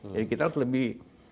jadi kita harus lebih